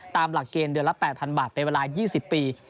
หลักเกณฑ์เดือนละ๘๐๐บาทเป็นเวลา๒๐ปี